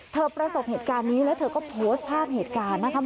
ประสบเหตุการณ์นี้แล้วเธอก็โพสต์ภาพเหตุการณ์นะคะ